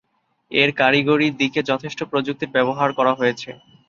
এর কারিগরি দিকে যথেষ্ট প্রযুক্তির ব্যবহার করা হয়েছে।